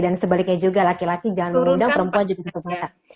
dan sebaliknya juga laki laki jangan merindang perempuan juga tutup mata